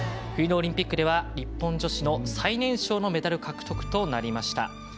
冬のオリンピックでは日本女子の最年少のメダル獲得となりました。